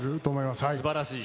すばらしい。